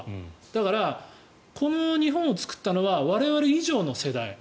だから、この日本を作ったのは我々以上の世代。